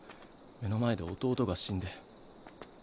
目の前で弟が死んで。